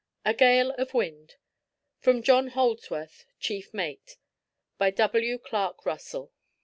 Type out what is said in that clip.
A GALE OF WIND (From John Holdsworth, Chief Mate.) By W. CLARK RUSSELL.